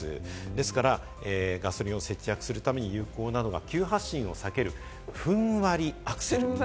ですからガソリンを節約するために有効なのが急発進を避ける、ふんわりアクセル。